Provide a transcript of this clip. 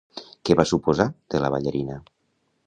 Què va suposar de la ballarina?